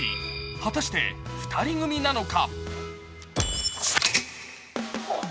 果たして２人組なのか。